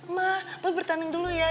ma boleh bertanding dulu ya